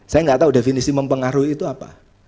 saya nggak tahu definisi mempengaruhi itu apa